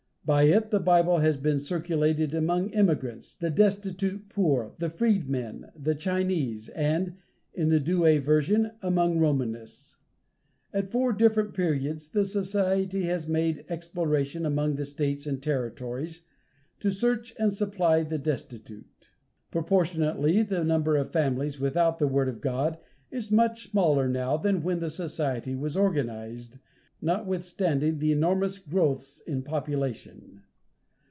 By it, the Bible has been circulated among immigrants, the destitute poor, the freedmen, the Chinese, and (in the Douay version) among Romanists. At four different periods the society has made exploration among the states and territories, to search and supply the destitute. Proportionately the number of families without the word of God is much smaller now than when the society was organized, notwithstanding the enormous growths in population.